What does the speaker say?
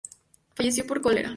Falleció por cólera.